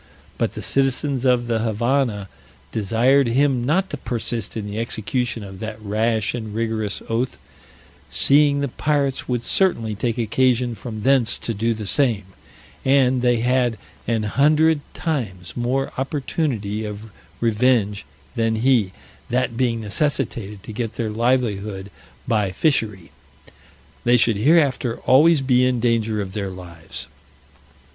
But the citizens of the Havannah desired him not to persist in the execution of that rash and rigorous oath, seeing the pirates would certainly take occasion from thence to do the same, and they had an hundred times more opportunity of revenge than he; that being necessitated to get their livelihood by fishery, they should hereafter always be in danger of their lives.